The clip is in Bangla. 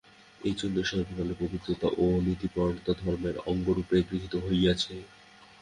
এইজন্যই সর্বকালে পবিত্রতা ও নীতিপরায়ণতা ধর্মের অঙ্গরূপে গৃহীত হইয়াছে।